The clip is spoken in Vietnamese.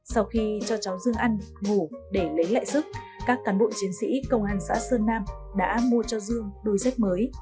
sau khi cho cháu dương ăn ngủ để lấy lại sức các cán bộ chiến sĩ công an xã sơn nam đã mua cho dương đôi dép mới